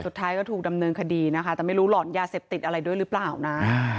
สุดท้ายก็ถูกดำเนินคดีนะคะแต่ไม่รู้หลอนยาเสพติดอะไรด้วยหรือเปล่านะ